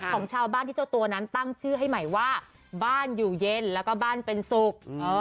ของชาวบ้านที่เจ้าตัวนั้นตั้งชื่อให้ใหม่ว่าบ้านอยู่เย็นแล้วก็บ้านเป็นสุข